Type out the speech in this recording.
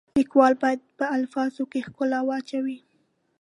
لیکوال باید په الفاظو کې ښکلا واچوي.